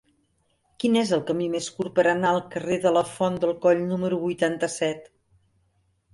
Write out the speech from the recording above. Quin és el camí més curt per anar al carrer de la Font del Coll número vuitanta-set?